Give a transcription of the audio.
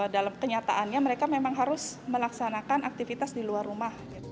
dalam kenyataannya mereka memang harus melaksanakan aktivitas di luar rumah